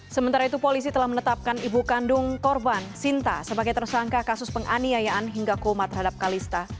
sementara itu polisi telah menetapkan ibu kandung korban sinta sebagai tersangka kasus penganiayaan hingga koma terhadap kalista